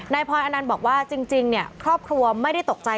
พลอยอนันต์บอกว่าจริงครอบครัวไม่ได้ตกใจ